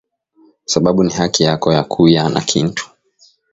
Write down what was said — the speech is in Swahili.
Sababu ni haki yako ya kuya na kintu